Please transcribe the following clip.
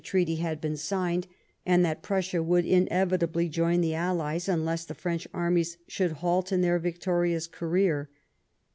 13 treaty had been signed, and that Prussia would inevitably join the allies unless the French armies should halt in their victorious career.